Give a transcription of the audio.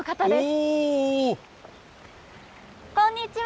こんにちは！